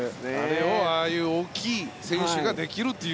ああいう大きい選手ができるという。